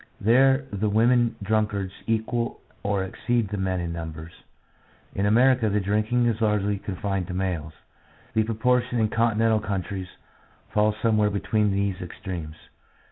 There the women drunkards equal or exceed the men in numbers. In America the drinking is largely con fined to males; the proportion in continental countries falls somewhere between these extremes.